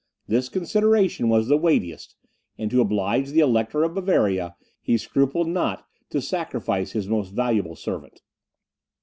This consideration was the weightiest, and to oblige the Elector of Bavaria he scrupled not to sacrifice his most valuable servant.